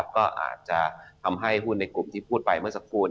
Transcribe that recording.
ก็อาจจะทำให้หุ้นในกลุ่มที่พูดไปเมื่อสักครู่